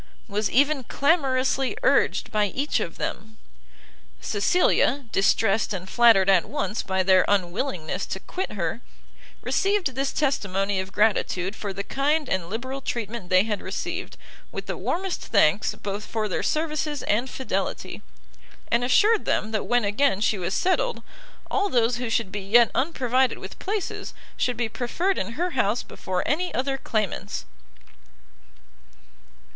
was even clamorously urged by each of them. Cecilia, distressed and flattered at once by their unwillingness to quit her, received this testimony of gratitude for the kind and liberal treatment they had received, with the warmest thanks both for their services and fidelity, and assured them that when again she was settled, all those who should be yet unprovided with places, should be preferred in her house before any other claimants.